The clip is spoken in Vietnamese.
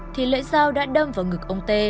thì lưỡi dao đã đâm vào ngực ông t